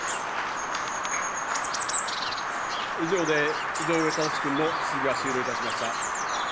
以上で井上哲士君の質疑は終了いたしました。